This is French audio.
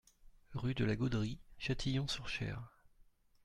Rue de la Gaudrie, Châtillon-sur-Cher